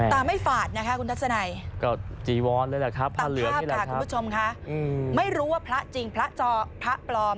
ตาไม่ฝาดนะคะคุณทัศนายตาครับค่ะคุณผู้ชมค่ะไม่รู้ว่าพระจริงพระจอกพระปลอม